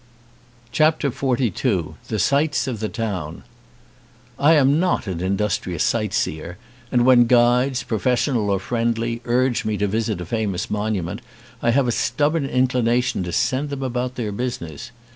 165 XLII THE SIGHTS OF THE TOWN I AM not an industrious sight seer, and when guides, professional or friendly, urge me to visit a famous monument I have a stubborn inclination to send them about their busi ness.